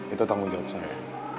itu tanggung jawab saya